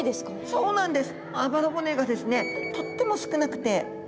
そうなんです。